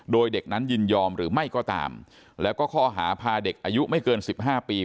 โดยเด็กนั้นยินยอมหรือไม่ก็ตามแล้วก็ข้อหาพาเด็กอายุไม่เกินสิบห้าปี